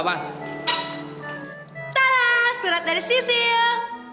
ta dah surat dari sisil